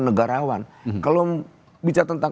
negarawan kalau bicara tentang